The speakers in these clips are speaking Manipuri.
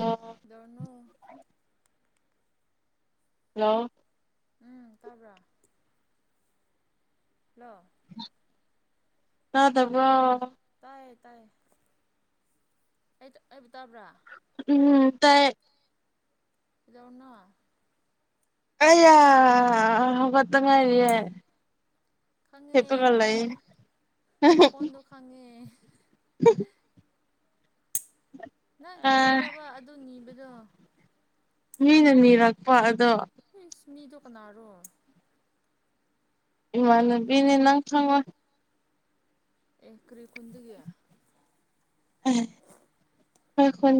ꯑꯣ ꯗꯅ ꯍꯜꯂꯣ ꯎꯝ ꯇꯥꯕ꯭ꯔꯥ ꯂ ꯇꯗ ꯋꯥ ꯇ ꯎꯝ ꯇ ꯏꯗꯣ ꯑꯣꯟꯅꯣ ꯑꯩ ꯌꯥ ꯑ ꯍꯧꯈꯠꯇ ꯉꯥꯏꯔꯤꯌꯦꯦ ꯈꯪꯉꯦ ꯈꯪꯉꯦ ꯃꯀꯣꯟꯗꯣ ꯈꯪꯉꯦ [unintelligible] ꯅꯪ ꯑ ꯀꯔꯤꯒ꯭ꯔꯕ ꯑꯗꯨ ꯅꯤꯕꯗꯣ ꯃꯤꯅ ꯅꯤꯔꯛꯄ ꯑꯗꯣ ꯏꯁ ꯃꯤꯗꯣ ꯀꯅꯥꯔꯣ ꯏꯃꯅꯦ ꯅꯤ ꯅꯪ ꯊꯥꯡꯕ ꯑꯦ ꯀ꯭ꯔꯤ ꯈꯨꯨꯟꯗꯤꯌꯥ ꯑ ꯀꯟ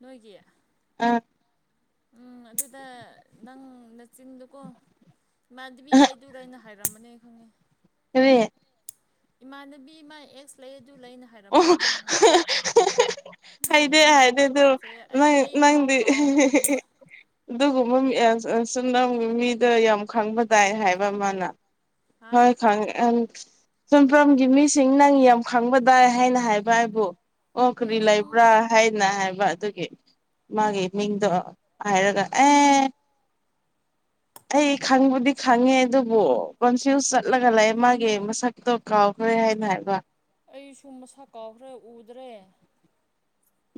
ꯅꯣꯏꯒꯌꯥ ꯑꯞ ꯎꯝ ꯑꯗꯨꯗ ꯅꯪ ꯅ ꯆꯤꯟꯗꯨꯀꯣ ꯏꯃꯥꯟꯗꯨꯕꯤ ꯂꯩꯗꯨ ꯂꯩꯅ ꯍꯥꯏꯔꯝꯕꯅꯦ ꯈꯪꯉꯦ ꯍꯦ ꯏꯃꯅꯕꯤ ꯑꯦꯁ ꯂꯩ ꯑꯗꯨ ꯂꯩꯅ ꯑꯣ ꯍꯥꯏꯔꯝꯕꯅꯦꯕ ꯅꯪ ꯍꯗꯦ ꯎꯝ ꯍꯥꯏꯗ ꯑꯗꯨꯣ ꯇꯨꯀꯠꯆꯩ ꯑꯩ ꯅꯪ ꯑꯩ ꯐꯥꯎ ꯅꯪꯗꯤ ꯀꯥꯎꯈ꯭ꯔꯕꯅꯤ ꯑꯗꯨꯒꯨꯝꯕ ꯁꯨꯝꯅ ꯃꯤꯗ ꯌꯥꯝ ꯈꯪꯕ ꯇꯥꯏ ꯍꯥꯏꯕ ꯑꯃꯅ ꯍꯥ ꯍꯣꯏ ꯈꯪꯉ ꯑ ꯆꯨꯝꯐꯝꯐꯝꯒꯤ ꯃꯤꯁꯤꯡ ꯅꯪ ꯌꯥꯝ ꯈꯪꯕꯗꯥꯏ ꯍꯥꯏꯅ ꯍꯥꯏꯕ ꯍꯥꯏꯕꯨ ꯑꯣ ꯀꯔꯤ ꯎꯝ ꯎꯝ ꯂꯩꯕ꯭ꯔꯥ ꯍꯥꯏꯅ ꯍꯥꯏꯕ ꯑꯗꯨꯒꯤ ꯃꯥꯒꯤ ꯃꯤꯡꯗꯣ ꯍꯥꯏꯔꯒ ꯑꯦ ꯑꯩ ꯈꯪꯕꯨꯗꯤ ꯈꯪꯉꯦ ꯑꯗꯨꯕꯨ ꯀꯟꯐ꯭ꯌꯨꯁ ꯆꯠꯂꯒ ꯂꯩꯥꯛꯦ ꯃꯥꯒꯤ ꯃꯁꯛꯇꯣ ꯀꯥꯎ ꯍꯣꯏ ꯍꯥꯏꯅ ꯍꯥꯏꯕ ꯑꯩꯁꯨ ꯃꯁꯛ ꯀꯥꯎꯈ꯭ꯔꯦ ꯎꯗ꯭ꯔꯦ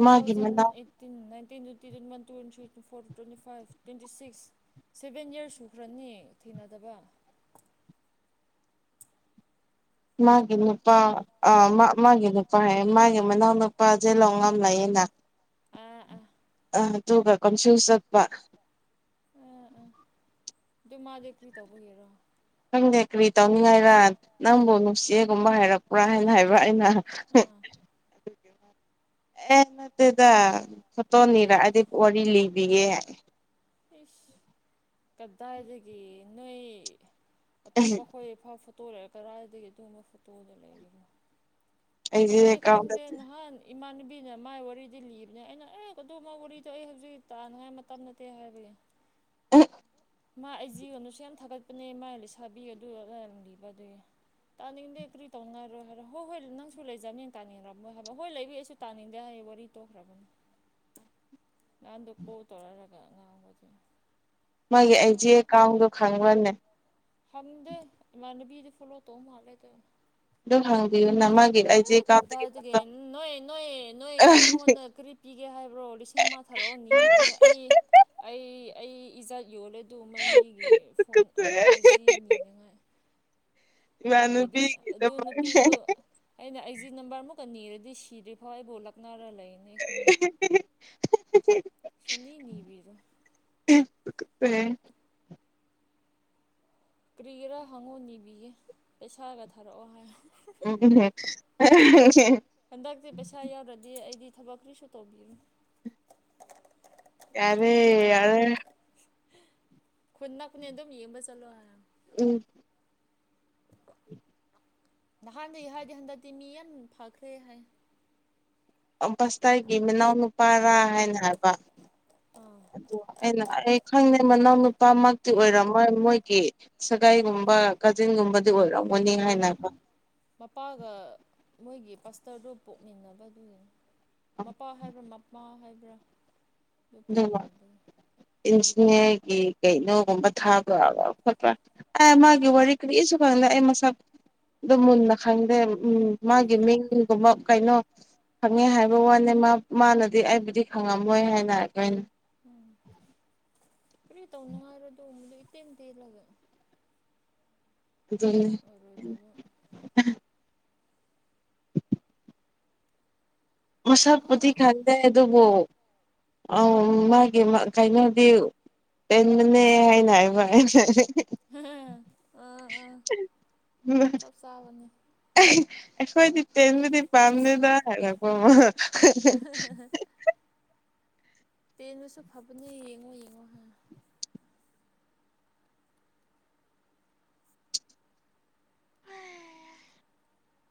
ꯃꯥꯒꯤ ꯊꯥꯎꯖꯟ ꯃꯅꯥꯎ eighteen twenty four twenty five twenty six seven years ꯁꯨꯈ꯭ꯔꯅꯤ ꯊꯦꯡꯅꯗꯕ [unintelligible] ꯃꯥꯒꯤ ꯅꯨꯄꯥ ꯑ ꯃꯥꯒꯤ ꯅꯨꯄꯥ ꯍꯥꯏ ꯃꯥꯒꯤ ꯃꯅꯥꯎ ꯅꯨꯄꯥ ꯆꯦꯜꯍꯧ ꯉꯝ ꯂꯩꯌꯦ [unintelligible] ꯑꯝ ꯑ ꯑ ꯇꯒ ꯀꯟꯐꯌꯁ ꯑꯄ ꯎꯝ ꯎꯝ ꯑꯗꯨ ꯃꯥꯗꯤ ꯀꯔꯤ ꯇꯧꯕꯒꯦꯔꯣ ꯈꯪꯗꯦ ꯀꯔꯤ ꯇꯧꯅꯤꯡꯉꯥꯏꯔ ꯅꯪꯕꯨ ꯅꯨꯡꯁꯤꯌꯦꯒꯨꯝꯕ ꯍꯥꯏꯔꯛꯄ꯭ꯔꯥ ꯍꯥꯏꯅ ꯍꯥꯏꯕ꯭ꯔꯥ ꯑꯩꯅ ꯍ ꯑꯥ [unintelligible] [inaudible] [unintelligible] [inaudible] ꯑꯦ ꯅ ꯑꯗꯨꯗ ꯐꯣꯇꯣꯅꯤꯔꯛꯑꯗꯤ ꯋꯥꯔꯤ ꯂꯤꯕꯤꯌꯦꯦ ꯀꯗꯥ ꯍꯥꯏꯗꯒꯤ ꯏ ꯅ ꯑꯇꯣꯞꯄ ꯑꯩꯈꯣꯏꯐ ꯐꯣꯇꯣ ꯂꯩꯔꯦ ꯀꯗꯥꯥꯏꯗꯒꯤ ꯑꯗꯨꯒꯨꯝꯕ ꯐꯣꯇꯣꯗ ꯂꯩꯒꯅꯣ ꯑꯩꯒꯤ ꯀꯗꯦ ꯏꯃꯥꯟꯅꯕꯤꯅ ꯃꯥꯏ ꯋꯥꯔꯤꯗꯤ ꯂꯤꯕꯅꯦ ꯑꯩꯅ ꯑꯦ ꯀꯗꯧꯃ ꯋꯥꯔꯤꯗꯣ ꯑꯩ ꯍꯧꯖꯤꯛ ꯇꯥꯅꯉꯥꯏ ꯃꯇꯝꯗ ꯑ [unintelligible] [inaudible] ꯃꯥ ꯑꯩ ꯖꯤꯣꯟꯗꯁꯨ ꯌꯥꯝ ꯊꯥꯒꯠꯄꯅꯦ ꯃꯥꯥꯏ ꯂꯩꯁꯥꯕꯤ ꯑꯗꯨ ꯂꯩꯔꯝꯕꯤꯕ ꯑꯗꯨ ꯇꯥꯅꯤꯡꯗꯦ ꯀ꯭ꯔꯤ ꯇꯧꯅꯔꯣꯏ ꯍꯥꯏꯔꯣ ꯍꯣꯏ ꯍꯣꯏ ꯅꯪꯁꯨ ꯂꯩꯖꯕꯅꯦ ꯇꯥꯅꯤꯡꯔꯝꯃꯣꯏ ꯍꯥꯏꯕ ꯍꯣꯏ ꯂꯩꯕꯏ ꯑꯩꯁꯨ ꯇꯥꯅꯤꯡꯗꯦ ꯍꯥꯏ ꯋꯥꯔꯤꯔꯤ ꯇꯣꯛꯈ꯭ꯔꯕꯨꯝ ꯉꯥꯟꯗꯨ ꯀ ꯇꯧꯔ ꯂꯒ ꯉꯕꯗꯤ ꯃꯥꯒꯤ ꯑꯩ ꯖꯤ ꯑꯦꯀꯥꯎꯟꯗꯣ ꯈꯪꯕꯅꯦ ꯍꯗ ꯃꯅꯕꯤꯗ ꯐꯂꯣ ꯇꯣ ꯃꯥꯂꯦ ꯇ ꯗꯣ ꯍꯪꯕꯤ ꯦ [unintelligible] [inaudible] ꯀꯗꯥꯏꯗꯒꯦ ꯅꯣꯏ ꯅꯣꯏ ꯅꯣꯏ ꯑꯩꯉꯣꯟꯗ ꯀꯔꯤ ꯄꯤꯒꯦ ꯍꯥꯏꯕ꯭ꯔꯣ ꯂꯤꯁꯤꯡ ꯑꯃ ꯊꯥꯔꯛꯑꯣ ꯅꯤꯕ ꯗꯒꯤ ꯑꯩ ꯑꯩ ꯑꯩ ꯏꯖꯥꯠ ꯌꯣꯜꯂꯦꯗ ꯃꯃꯤꯒꯤ ꯐꯣꯟ ꯑꯁꯤꯖꯤꯅꯤꯅꯉꯥꯏ ꯑꯗꯨꯒꯤ ꯑꯗꯨ ꯏꯃꯥꯟꯅꯕꯤꯒꯤꯗꯃꯛ ꯅꯨꯄꯤꯗꯨ ꯑꯩꯅ ꯑꯩꯖꯤ ꯅꯝꯕꯔꯃꯨꯛ ꯀꯅꯤꯔꯗꯤ ꯁꯤꯔꯤ ꯐꯋꯥ ꯣꯂꯛꯅꯔ [unintelligible] [inaudible] ꯁꯅꯤꯅꯤꯕꯤꯔ [unintelligible] [inaudible] ꯀꯔꯤꯒꯔꯥ ꯍꯪꯉꯨ ꯅꯤꯕꯤꯒꯦ ꯄꯩꯁꯥꯒ ꯊꯥꯔꯛꯑꯣ ꯍꯥꯏ ꯎꯝ ꯎꯝ ꯑ ꯊꯕꯀꯔꯤꯁꯨ ꯇꯣꯧꯕ ꯌꯥꯔꯦ ꯌꯥꯔꯦ ꯈꯨꯅꯥ ꯈꯨꯅꯗꯣ ꯃꯤꯡꯕ ꯆꯠꯂꯔ ꯎꯝ ꯅꯍꯥꯟꯗꯒꯤ ꯍꯥꯏꯔꯗꯤ ꯍꯟꯗꯛꯇꯤ ꯃꯤ ꯌꯥꯝ ꯐꯈ꯭ꯔꯦ ꯍꯥꯏ ꯁꯇꯥꯏꯒꯤ ꯃꯅꯥꯎꯅ ꯅꯨꯄꯥꯔꯥ ꯍꯥꯏꯅ ꯍꯥꯏꯕ ꯑꯥ ꯑꯗꯨ ꯑꯩꯅ ꯈꯪꯗꯦ ꯃꯅꯥꯎꯅ ꯅꯨꯄꯥꯃꯛꯇꯤ ꯑꯣꯏꯔꯝꯃꯣꯏ ꯃꯣꯏꯒꯤ ꯁꯒꯥꯏꯒꯨꯝꯕ ꯀꯥꯖꯤꯟꯒꯨꯝꯕꯗꯤ ꯑꯣꯏꯔꯝꯃꯣꯏ ꯎꯝ ꯃꯄꯒ ꯃꯣꯏꯒꯤ ꯀꯁꯇꯔꯠꯇꯣ ꯄꯣꯛꯃꯤꯟꯅꯕꯗꯨꯒꯤꯅꯤ ꯃꯄꯥ ꯍꯥꯏꯕ꯭ꯔꯥ ꯃꯄꯥ ꯍꯥꯏꯕ꯭ꯔꯥ ꯑꯗꯨ ꯄꯣꯛꯃꯤꯟꯅꯕꯒꯤ ꯏ [unintelligible] [inaudible] ꯒꯤ ꯀꯩꯅꯣꯒꯨꯝꯕ ꯊꯥꯕ ꯈꯣꯠꯄ꯭ꯔꯥ ꯑ ꯃꯥꯒꯤ ꯋꯥꯔꯤ ꯀꯔꯤꯁꯨ ꯈꯪꯗꯦ ꯑꯩ ꯃꯁꯛ ꯑꯗꯨ ꯃꯨꯟꯅ ꯈꯪꯗꯦ ꯎꯝ ꯃꯥꯒꯤ ꯃꯤꯡꯒꯨꯝꯕ ꯀꯩꯅꯣ ꯈꯪꯉꯦ ꯍꯥꯏꯕ ꯋꯥꯅꯦ ꯃꯥꯅꯗꯤ ꯑꯩꯕꯨꯗꯤ ꯈꯪꯉꯝꯃꯣꯏ ꯍꯥꯏꯅꯦ ꯀꯔꯤ ꯇꯧꯅꯉꯥꯏꯔꯗꯕꯗꯣ ꯏꯇꯦꯟ ꯇꯦꯜꯂꯒ ꯎꯝ ꯑꯣꯏꯔꯣꯏꯗꯕ [unintelligible] [inaudible] ꯃꯁꯥ ꯄꯊꯤ ꯈꯗꯦ ꯑꯗꯨꯕꯨ ꯑ ꯃꯥꯒꯤ ꯀꯩꯅꯣꯗꯤ ꯑꯦꯟꯅ ꯍꯥꯏꯅ ꯍꯥꯏ ꯃꯥꯅ ꯑ ꯑ ꯁꯕꯅꯤ [unintelligible] [inaudible] ꯑꯩꯈꯣꯏꯗꯤ ꯇꯦꯟꯕꯗꯤ ꯄꯥꯝꯗꯗ ꯍꯥꯏꯔꯛꯄꯃ [unintelligible] [inaudible] ꯇꯦꯟꯕꯁꯨ ꯐꯕꯅꯦ ꯌꯦꯡꯉꯣ ꯌꯦꯡꯉꯣ ꯍꯥꯪ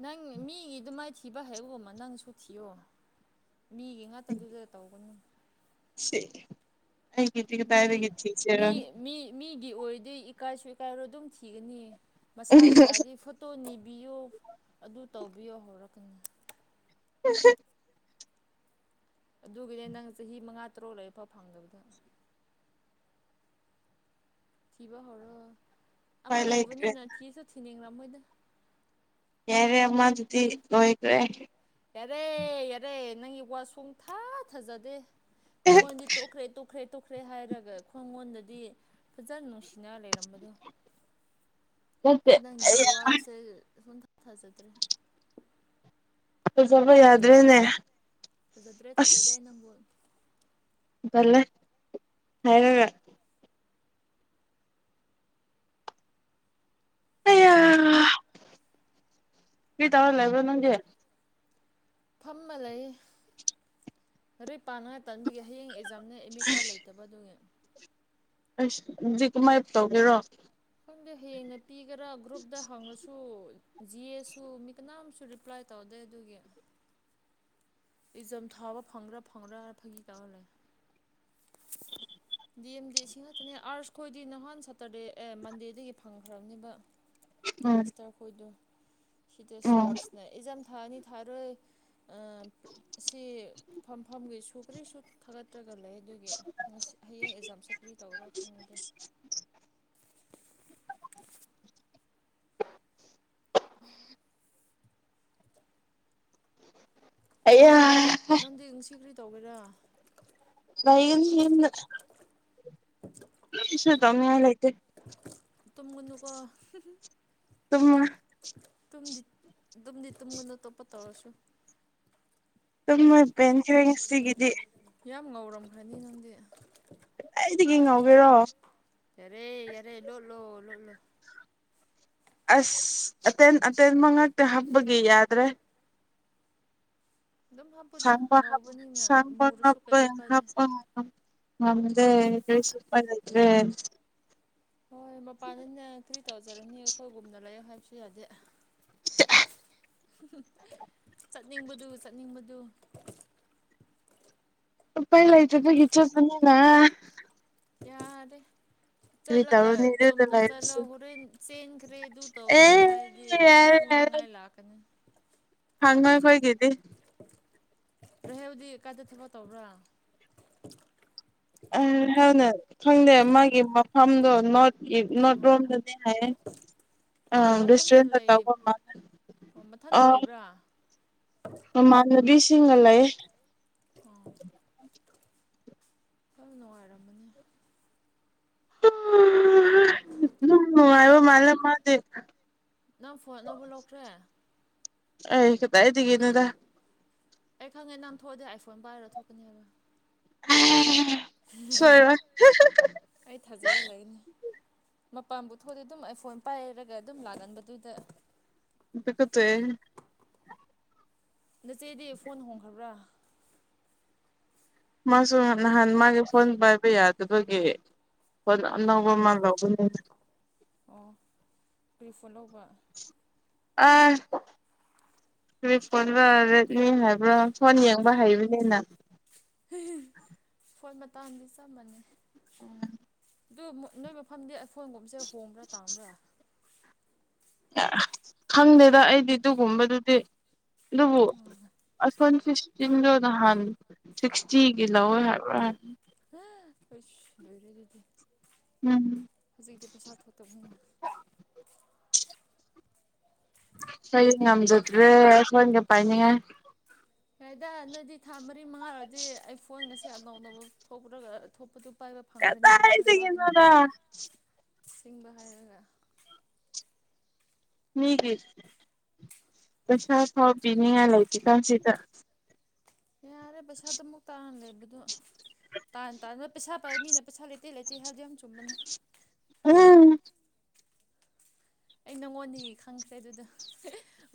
ꯅꯪ ꯃꯤꯒꯤꯗꯨ ꯃꯥꯏꯊꯤꯕ ꯍꯥꯏ ꯎ ꯑꯃ ꯅꯪꯁꯨ ꯊꯤꯌꯣ꯫ ꯃꯤꯒꯤ ꯉꯇ ꯑꯗꯨꯗ ꯇꯧꯒꯅꯨ꯫ ꯁꯤ ꯑꯩꯒꯤꯇꯤ ꯀꯇꯥꯏꯗꯒꯤ ꯊꯤꯁꯤꯔ꯫ ꯒꯤ ꯑꯣꯏꯔꯗꯤ ꯏꯀꯥꯏꯁꯨ ꯏꯀꯥꯏꯔꯣ ꯑꯗꯨꯝ ꯊꯤꯒꯅꯤ ꯃꯁꯥꯒꯤ ꯂꯥꯏꯗꯤ ꯐꯣꯇꯣ ꯅꯤ꯫ ꯕꯤꯌꯨ ꯑꯗꯨ ꯇꯧꯕꯤꯌꯣ ꯍꯧꯔꯛꯀꯅꯤ꯫ [unintelligible] ꯑꯗꯨꯒꯤꯅꯦ ꯅꯪ ꯆꯍꯤ ꯃꯉꯥ ꯇꯔꯨꯛ ꯂꯩꯐ ꯐꯪꯗꯕꯗ꯫ ꯊꯤꯕ ꯍꯧꯔꯣ ꯑꯃ ꯎꯄꯥꯏ ꯂꯩꯇ꯭ꯔꯦ ꯂꯩꯕꯅꯤꯅ ꯊꯤꯁꯨ ꯊꯤꯅꯤꯡꯔꯝꯃꯣꯏꯗ꯫ ꯑꯦꯔꯦ ꯑꯃꯃꯥ ꯑꯗꯨꯗꯤ ꯂꯣꯏꯈꯔꯦ꯫ ꯌꯥꯔꯦ ꯌꯥꯔꯦ ꯅꯪꯒꯤ ꯋꯥ ꯁꯨꯡꯊꯥ ꯊꯖꯗꯦ꯫ ꯑꯩꯉꯣꯟꯗꯤ ꯇꯣꯛꯈ꯭ꯔꯦ ꯇꯣꯛꯈ꯭ꯔꯦ ꯇꯣꯛꯈ꯭ꯔꯦ ꯍꯥꯏꯔꯒ ꯈꯣꯡꯉꯣꯟꯗꯗꯤ ꯐꯖꯅ ꯅꯨꯡꯁꯤ꯫ ꯁꯤꯅ ꯂꯩꯔꯝꯕꯗꯣ ꯅꯠꯇꯦ ꯑꯩ ꯅꯪꯒꯤ ꯋꯥꯁꯦ ꯁꯨꯝ꯫ ꯊꯖꯗ꯭ꯔꯦ꯫ ꯐꯖꯕ ꯌꯥꯗ꯭ꯔꯦꯅꯦ꯫ ꯐꯥꯖꯗ꯭ꯔꯦ ꯑꯁ ꯊꯥꯖꯗꯦ ꯅꯝꯕꯨ꯫ ꯇꯜꯂꯦ ꯍꯥꯏꯔꯒ꯫ ꯑꯥꯌꯥ ꯀꯔ꯭ꯤ ꯇꯧꯔ ꯂꯥꯏꯕ꯭ꯔꯣ ꯅꯪꯗꯤ꯫ ꯐꯝꯃ ꯂꯩ ꯑꯔꯩ ꯄꯥꯅꯉꯥꯏ ꯇꯟꯕꯒꯤ ꯍꯌꯦꯡ꯫ ꯑꯦꯛꯖꯥꯝꯅ ꯑꯦꯝ ꯑꯦ ꯀꯥꯔ ꯂꯩꯇꯕ ꯑꯗꯨꯅꯦ꯫ ꯑꯁ ꯀꯃꯥꯏꯞ ꯇꯧꯒꯦꯔꯣ꯫ ꯈꯪꯗꯣ ꯍꯦꯟꯅ ꯄꯤꯒꯦꯔꯥ ꯒ꯭ꯔꯨꯞꯇ ꯍꯪꯂꯁꯨ꯫ ꯖꯤꯌꯦꯁꯨ ꯃꯤ ꯀꯅꯥꯝꯁꯨ ꯔꯤꯄ꯭ꯂꯥꯏ ꯇꯧꯗꯦ ꯑꯗꯨꯒꯤ꯫ ꯏꯖꯝ ꯊꯥꯕ ꯐꯪꯕ꯭ꯔꯥ ꯐꯪꯕ꯭ꯔꯥ ꯐꯥꯒꯤ ꯇꯧꯍꯜꯂꯦ꯫ ꯗꯦꯝꯗꯤ ꯁꯤ ꯅꯠꯇꯅꯦ ꯑꯥꯔꯁ ꯈꯣꯏꯗꯤ ꯅꯍꯥꯟ ꯁꯇꯔꯗꯦ ꯑꯦ ꯃꯟꯗꯦꯗꯒꯤ ꯐꯪꯈ꯭ꯔꯕꯅꯦꯕ꯫ ꯎꯝ ꯃꯁꯇꯔ ꯈꯣꯏꯗꯣ꯫ ꯁꯤꯇ ꯎꯝ ꯁꯥꯏꯟꯁꯅ ꯑꯦꯛꯖꯥꯝ ꯊꯅꯤ ꯊꯔꯣꯏ꯫ ꯁꯤ ꯐꯝꯐꯝꯒꯤ ꯁꯨ ꯀꯔꯤꯁꯨ ꯊꯥꯒꯠ꯫ ꯇ꯭ꯔꯒ ꯂꯩ ꯑꯗꯨꯒꯤ ꯉ ꯍꯌꯦꯡ ꯑꯦꯛꯖꯥꯝ ꯆꯠꯇ꯭ꯔꯤ ꯇꯧꯔ ꯈꯪꯉꯗꯦ꯫ [unintelligible] ꯑꯌꯥ꯫ ꯅꯪ ꯅꯪꯗꯤ ꯉꯁꯤ ꯀꯔꯤ ꯇꯧꯒꯦꯔꯥ꯫ ꯃꯌꯨꯝꯅꯤꯅ ꯁꯨ ꯇꯧꯅꯤꯉꯥꯏ ꯂꯩꯥꯏꯇ꯫ ꯇꯨꯝꯒꯅꯨꯀꯣ꯫ ꯇꯨꯃꯣꯏ꯫ ꯇꯨꯝꯗꯤ ꯇꯨꯝꯗꯤ ꯇꯨꯝꯃꯨꯅꯨ ꯇꯣꯞꯄ ꯇꯧꯔꯁꯨ꯫ ꯇꯏꯕꯦꯟ ꯄꯦꯟꯈꯔ꯭ꯦ ꯉꯁꯤꯒꯤꯗꯤ꯫ ꯌꯥꯝ ꯉꯧꯔꯝꯈ꯭ꯔꯅꯤ ꯅꯪꯗꯤ꯫ ꯑꯩꯗꯒꯤ ꯉꯧꯒꯦꯔꯣ ꯌꯥꯔꯦ ꯌꯥꯔꯦ ꯂꯣꯠꯂꯣ ꯂꯣꯠꯂꯣ꯫ ꯑꯁ ꯑꯇꯦꯟ ꯑꯇꯦꯟꯃ ꯉꯛꯇ ꯍꯞꯄꯒꯤ ꯌꯥꯗ꯭ꯔꯦ꯫ ꯑꯗꯨꯝ ꯍꯥꯞꯄꯨꯗ ꯁꯄ ꯍꯥ ꯉꯧꯕꯅꯤꯅ ꯁꯥꯡꯄ ꯃꯨꯔꯁꯨ ꯍꯥꯄ ꯀꯩꯁꯨ ꯀꯥꯏꯗꯦ ꯍꯥꯞꯄ꯫ ꯅꯝꯗꯦ ꯁꯨꯄꯔꯗ꯭ꯔꯦ꯫ ꯍꯣꯏ ꯃꯄꯥꯟꯗꯅꯦ ꯀꯔꯤ ꯇꯧꯖꯔꯅꯤ ꯑꯩꯈꯣꯏꯒꯨꯝꯅ ꯂꯩꯌꯨ ꯍꯥꯏꯕꯁꯨ ꯌꯥꯗꯦ꯫ ꯆꯠꯅꯤꯡꯕꯗꯨ ꯆꯠꯅꯤꯡꯕꯗꯨ꯫ ꯄꯥꯏ ꯂꯥꯏꯆꯦ ꯇꯒꯤꯈꯤꯆꯔ ꯄꯨꯅꯤꯅ꯫ ꯌꯥꯗꯦ꯫ ꯆꯠꯂꯒ ꯇꯧꯔꯨꯅꯤ ꯑꯗꯨꯗ ꯆꯨꯝꯅ ꯆꯠꯂ ꯂꯩꯔꯁꯨ ꯍꯣꯔꯦꯟ ꯆꯦꯟꯈ꯭ꯔꯦ ꯑꯗꯨ ꯇꯧꯈ꯭ꯔꯦ ꯑꯦ ꯍꯥꯏꯗꯤ ꯐꯨ꯫ ꯅꯉꯥꯏ ꯂꯥꯛꯀꯅꯤ꯫ ꯐꯉꯦ ꯈꯣꯏꯒꯤꯗꯤ꯫ ꯔꯍꯦꯕꯗꯤ ꯀꯥꯏꯗ ꯊꯄ ꯇꯧꯕ꯭ꯔꯥ꯫ ꯑ ꯍꯅ ꯈꯪꯗꯦ ꯃꯥꯒꯤ ꯃꯐꯝꯗꯣ ꯅꯠ ꯂ꯭ꯔꯣꯝ ꯑꯣ ꯅꯗꯤ ꯃꯥ ꯃꯊꯟꯇ ꯂꯩ ꯑꯣ ꯃꯊꯟꯇ ꯂꯩꯕ꯭ꯔꯥ ꯎꯃꯥꯟꯅꯕꯤꯁꯤꯡꯁꯤꯡꯒ ꯂꯩ ꯀꯔ ꯅꯨꯡꯉꯥꯏꯔꯝꯃꯅꯤ ꯑꯣ ꯎꯝ ꯑ ꯅꯪ ꯃꯥꯂ ꯃꯥꯗ ꯅꯪ ꯐꯣꯟ ꯑꯅꯧꯕ ꯂꯧꯈ꯭ꯔꯦ ꯑꯩ ꯀꯗꯥ ꯏꯗꯤꯒꯦꯅꯗ ꯑꯩ ꯈꯪꯉꯦ ꯅꯪ ꯊꯣꯛꯑꯗꯤꯦ ꯑꯥꯏꯐꯣꯟ ꯄꯥꯏꯔ ꯊꯣꯛꯀꯅꯦꯕ ꯁꯣꯏꯔ ꯃꯄꯥꯝꯕꯨ ꯊꯣꯛꯑꯗꯤꯦ ꯑꯗꯨꯝ ꯑꯩꯐꯣꯟ ꯄꯥꯏꯔꯒ ꯑꯗꯨꯝ ꯂꯥꯛꯒꯟꯕꯗꯨꯗ ꯄ ꯀ ꯇꯦ ꯅꯆꯦꯗꯤ ꯐꯣꯟ ꯍꯣꯡꯈ꯭ꯔꯕ꯭ꯔꯥ ꯃꯥꯁꯨ ꯅꯍꯥꯟ ꯃꯥꯒꯤ ꯐꯣꯟ ꯄꯥꯏꯕ ꯌꯥꯗꯕꯒꯤ ꯍꯣꯏꯅ ꯑꯥ ꯑꯅꯧꯕ ꯑꯃꯜ ꯂꯧꯧꯕꯅꯤ ꯑꯣ ꯀꯔꯤꯐꯣ ꯂꯧꯕ ꯑ ꯀꯔꯤ ꯐꯣꯟꯗ ꯔꯦꯗꯃꯤ ꯍꯥꯏꯕ꯭ꯔꯥ ꯐꯣꯟ ꯌꯦꯡꯕ ꯍꯩꯕꯅꯤꯅ ꯐꯣꯏ ꯃꯇꯥꯡꯗꯤ ꯆꯝꯃꯅꯤ ꯑꯗꯨ ꯅꯣꯏ ꯃꯐꯝꯗꯤ ꯑꯩ ꯐꯣꯟꯒꯨꯝꯕꯁꯦ ꯍꯣꯡꯕ꯭ꯔꯥ ꯇꯥꯕ꯭ꯔꯥ ꯈꯪꯗꯦꯗ ꯑꯩꯗꯤ ꯑꯗꯨꯒꯨꯝꯕꯗꯨꯗꯤ ꯑꯗꯨꯕꯨ ꯑꯁ ꯐꯣꯟ ꯐꯤꯐꯇꯤꯟꯗꯣ ꯅꯍꯥꯟ ꯁꯤꯛꯁꯇꯤꯒꯤ ꯂꯧꯋꯦ ꯍꯥꯏꯕ꯭ꯔꯥ ꯍꯥꯏꯅꯤ ꯍ ꯀ ꯂꯩꯗꯗꯤ ꯎꯝ ꯍꯧꯖꯤꯛꯗꯤ ꯄꯩꯁꯥ ꯊꯣꯛꯇꯕꯅꯤꯅ ꯍ ꯉꯝꯖꯗ꯭ꯔꯦ ꯁꯒ ꯄꯥꯏꯅꯤꯡꯉ ꯌꯥꯏꯗ ꯅꯣꯏꯗꯤ ꯊꯥ ꯃꯔꯤ ꯃꯉꯥꯔꯗꯤ ꯑꯩ ꯐꯣꯟ ꯉꯁꯦ ꯅꯧꯅꯅꯕ ꯊꯣꯛꯈ ꯊꯣꯛꯄꯗꯨ ꯄꯥꯏꯕ ꯀꯁ ꯐꯪꯈ꯭ꯔꯅꯤ ꯍꯥꯏꯁꯤꯒꯤꯅꯗ ꯁꯤꯡꯕ ꯍꯥꯏꯔꯒ ꯃꯤꯒꯁ ꯍꯅꯤ ꯑꯂꯇ ꯀꯟꯁꯤꯗ ꯌꯥ ꯌꯥꯔꯦ ꯄꯩꯁꯥ ꯑꯗꯨꯃꯛꯇꯥꯅ ꯂꯩ ꯑꯗꯨꯗꯣ ꯇꯥ ꯇꯥꯅꯕ ꯄꯩꯁꯥ ꯄꯥꯏꯕ ꯃꯤꯅ ꯄꯩꯁꯥ ꯂꯩꯇꯦ ꯂꯩꯇꯦ ꯍꯥꯏꯕꯗꯤ ꯌꯥꯝ ꯆꯨꯝꯕꯅꯤ ꯎꯝ ꯑꯩ ꯅꯉꯣꯟꯗꯒꯤ ꯈꯪꯈ꯭ꯔꯦ ꯑꯗꯨꯗ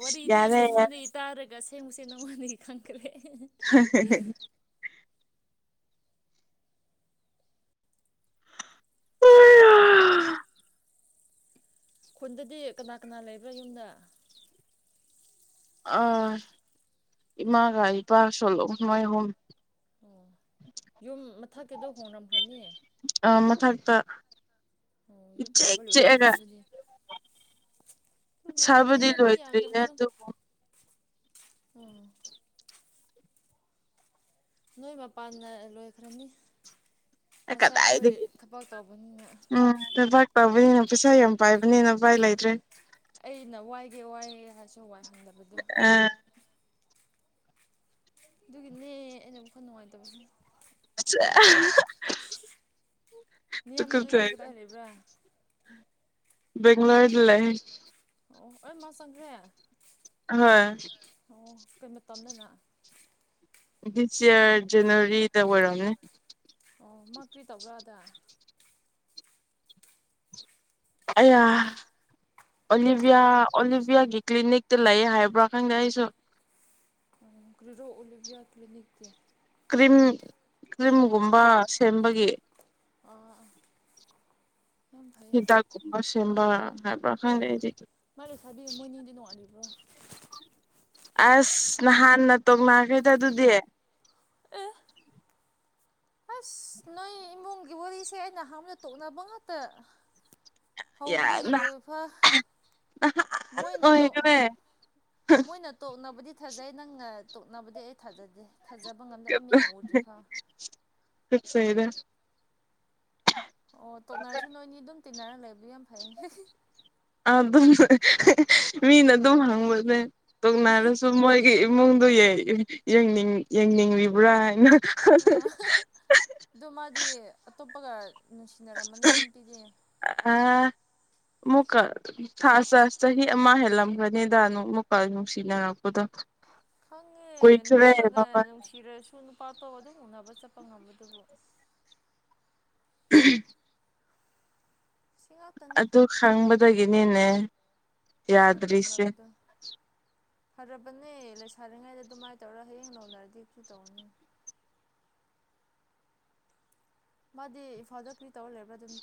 ꯋꯥꯔꯤꯗꯤ ꯌꯥꯔꯦ ꯌꯥꯔꯦ ꯃꯤꯉꯣꯟꯗꯒꯤ ꯇꯥꯔꯒ ꯍ ꯃꯨꯁꯦ ꯅꯧꯃꯥꯟꯅꯗꯤ ꯈꯪꯈ꯭ꯔꯦ [inaudible] ꯈꯨꯟꯗꯗꯤ ꯀꯅꯥ ꯀꯅꯥ ꯂꯩꯕ꯭ꯔꯥ ꯌꯨꯝꯗ ꯑ ꯏꯃꯥꯒ ꯏꯄꯥꯒ ꯁꯂꯣ ꯃꯣꯏ ꯍꯣꯝ ꯑꯣ ꯌꯨꯝ ꯃꯊꯛꯀꯤꯗꯣ ꯍꯣꯡꯡꯂꯝꯈ꯭ꯔꯅꯤ ꯑ ꯃꯊꯛꯇ ꯑꯣ ꯌꯨꯝ ꯁꯥꯕ ꯂꯣꯏꯔꯝꯒꯅꯤꯗꯨꯅꯤ ꯁꯕꯗꯤꯟ ꯂꯣꯏꯗ꯭ꯔꯔꯤꯦ ꯑꯗꯨ ꯑꯣ ꯅꯣꯏ ꯃꯄꯥꯟꯅ ꯂꯣꯏꯈ꯭ꯔꯅꯤ ꯀꯗꯥꯏꯗ ꯃꯆꯥꯈꯣꯏ ꯊꯕꯛ ꯇꯧꯕꯅꯤꯅ ꯎꯝ ꯄ ꯄꯩꯁꯥ ꯌꯥꯝ ꯄꯥꯏꯕꯅꯦꯅ ꯚꯥꯏ ꯂꯩꯗ꯭ꯔꯦ ꯑꯩꯅ ꯋꯥꯏꯒꯦ ꯋꯥꯏ ꯍꯥꯏꯁꯨ ꯋꯥꯏ ꯍꯪꯗꯕꯗꯨ ꯑ ꯑꯗꯨꯒꯤꯅꯦ ꯑꯩꯅꯕꯨ ꯈꯔ ꯅꯨꯡꯉꯥꯏꯇꯕꯒꯤꯅꯦ [inaudible] ꯌꯝꯕꯨꯗꯨꯗꯤ ꯀ ꯇꯨꯀꯠꯆꯩꯗ ꯇ ꯑ ꯂꯩꯦꯕ꯭ꯔꯥ ꯦꯡꯂꯨꯔꯤ ꯂꯩꯦ ꯑꯣ ꯑꯩ ꯃꯥ ꯆꯪꯈ꯭ꯔꯦ ꯍꯣꯏ ꯑꯣ ꯑꯩꯣꯏ ꯃꯇꯝꯅꯅ ꯗꯤꯁ ꯌꯌꯥꯔ ꯖꯅꯋꯥꯔꯤꯗ ꯑꯣꯏꯔꯣꯝꯅꯦ ꯑꯣ ꯃꯛꯇꯨꯤ ꯇꯧꯕ꯭ꯔꯥ ꯑꯗ ꯑꯌꯥ ꯑꯣꯂꯤꯚꯤꯌꯥ ꯑꯣꯂꯤꯚꯤꯌꯥꯒꯤ ꯀ꯭ꯂꯤꯅꯤꯛꯇ ꯂꯩ ꯍꯥꯏꯕ꯭ꯔꯥ ꯈꯪꯗꯦ ꯑꯩꯁꯨ ꯔꯤꯗꯣ ꯑꯣꯂꯤꯕꯤꯌꯥ ꯀ꯭ꯂꯤꯅꯤꯛꯗꯤ ꯀ꯭ꯔꯤꯝ ꯀ꯭ꯔꯤꯝꯒꯨꯝꯕ ꯁꯦꯝꯕꯒꯤ ꯑꯥ ꯑꯥ ꯌꯥꯝ ꯍꯥꯛꯕ ꯁꯤꯝꯕ ꯍꯥꯏ ꯃꯥꯂ ꯁꯥꯕꯤꯌ ꯃꯣꯏꯅꯤꯗꯤ ꯅꯣꯡꯉꯔꯤꯕ꯭ꯔꯣ ꯑꯁ ꯅꯍꯥꯟꯅ ꯇꯣꯡꯅꯒꯦꯗ ꯑꯗꯨꯗꯤ ꯑꯁ ꯅꯣꯏ ꯏꯃꯨꯡꯒꯤ ꯋꯥꯔꯤꯁꯦ ꯑꯩꯅ ꯑꯍꯝꯅ ꯇꯣꯛꯅꯕ ꯉꯥꯛꯇ ꯌꯥꯔ ꯍꯧꯕꯗꯒꯤ ꯅꯍꯥꯟ ꯂꯣꯏꯕ ꯃꯣꯏꯅ ꯑꯣꯏ ꯇꯣꯛ ꯍꯦꯒꯃꯦ ꯃꯣꯏꯅ ꯇꯣꯛꯅꯕꯗꯤ ꯊꯥꯖꯩ ꯅꯪꯅ ꯇꯣꯛꯅꯕꯗꯤ ꯑꯩ ꯊꯥꯖꯗꯦ ꯊꯥꯖꯕ ꯉꯝꯗꯦ ꯑꯩ ꯃꯤꯅ ꯎꯗ꯭ꯔꯤ ꯈꯥ ꯇꯨꯀꯠꯆꯩꯗ ꯑꯣ ꯇꯣꯛꯅꯔꯁꯨ ꯅꯣꯏꯅꯤ ꯑꯗꯨꯝ ꯇꯤꯟꯅꯔꯒ ꯂꯩꯕꯗꯤ ꯌꯥꯝ ꯐꯩ ꯑꯗꯨꯝ ꯃꯤꯅ ꯑꯗꯨꯝ ꯍꯪꯕꯅꯦ ꯇꯣꯛꯅꯥꯔꯁꯨ ꯃꯣꯏꯒꯤ ꯏꯃꯨꯡꯗ ꯌꯦꯅꯤꯡ ꯌꯦꯡꯅꯤꯡꯂꯤꯕ꯭ꯔꯥ ꯍꯥꯏꯅ ꯎ ꯑꯣ ꯃꯥꯗꯤ ꯑꯇꯣꯞꯄꯒ ꯅꯨꯡꯁꯤꯅꯔꯝꯃꯅꯤ ꯅꯨꯡꯇꯤꯅꯦ ꯑꯥ [inaudible] ꯑꯃꯨꯛꯀ ꯆꯍꯤ ꯑꯃ ꯍꯦꯜꯂꯝꯒꯅꯤꯗ ꯃꯨꯛꯀ ꯅꯨꯡꯁꯤꯅꯔꯛꯄꯗꯣ ꯈꯪꯉꯦ ꯀꯨꯏꯈ꯭ꯔꯦ ꯅꯦꯝꯕꯒ ꯃꯃꯜ ꯅꯨꯡꯁꯤꯔꯁꯨ ꯅꯨꯄꯥ ꯐꯇꯣ ꯑꯗꯨꯝ ꯎꯅꯕ ꯆꯠꯄ ꯉꯝꯕꯗꯨꯕꯨ ꯑꯁ ꯎ ꯁꯤ ꯉꯥꯛꯇꯅꯤ ꯑꯗꯨ ꯈꯪꯕꯗꯒꯤꯅꯤꯅꯦ ꯃꯥ ꯌꯥꯗ꯭ꯔꯤꯁꯦ ꯇꯣꯛꯅꯕꯗꯣ ꯐꯔꯕꯅꯦ ꯂꯩꯁꯥꯔꯤꯉꯩꯗ ꯑꯗꯨꯃꯥꯏꯅ ꯇꯧꯔ ꯍꯌꯦꯡ ꯅꯧꯅꯔꯗꯤ ꯀ ꯇꯧꯅꯤ ꯃꯥꯗꯤ ꯏꯝꯐꯥꯗꯔ ꯀꯔꯤ ꯇꯧꯔ ꯂꯩꯕ꯭ꯔꯥ ꯑꯗꯨꯝꯤ